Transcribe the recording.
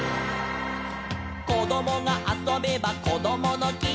「こどもがあそべばこどものき」